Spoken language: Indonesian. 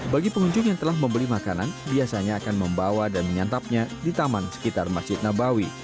bagi pengunjung yang telah membeli makanan biasanya akan membawa dan menyantapnya di taman sekitar masjid nabawi